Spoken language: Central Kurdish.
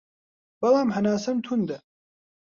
بەڵام هەناسەم توندە